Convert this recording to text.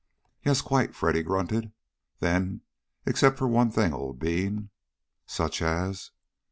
"Yes, quite," Freddy grunted. Then, "Except for one thing, old bean." "Such as?"